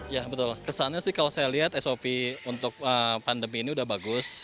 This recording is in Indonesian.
ya betul kesannya sih kalau saya lihat sop untuk pandemi ini udah bagus